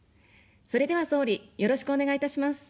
それでは総理、よろしくお願いいたします。